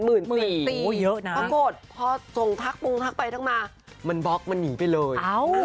โอ้เยอะนะปรากฏพ่อทรงทักปรุงทักไปทั้งมามันบล็อกมันหนีไปเลย